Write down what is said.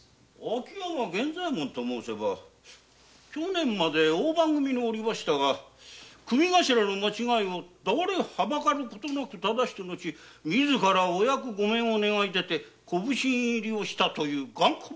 秋山源左衛門と申せば去年まで大番組におりましたが組頭の間違いをだれはばかる事なくただした後自らお役御免を願い出て小普請入りをしたという頑固者。